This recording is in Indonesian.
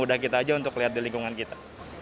udah kita aja untuk lihat di lingkungan kita